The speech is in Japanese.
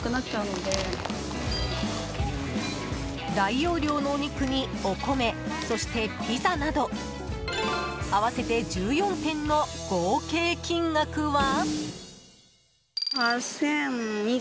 大容量のお肉にお米そしてピザなど合わせて１４点の合計金額は？